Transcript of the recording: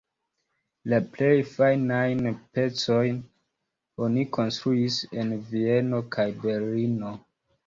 La plej fajnajn pecojn oni konstruis en Vieno kaj Berlino.